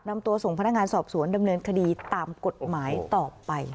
นำตัวส่งพนักงานสอบสวนดำเนินคดีตามกฎหมายต่อไป